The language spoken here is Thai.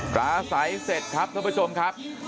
ปลาใสเสร็จครับท่านผู้ชมครับ